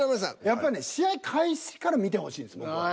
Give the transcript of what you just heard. やっぱね試合開始から見てほしいんです僕は。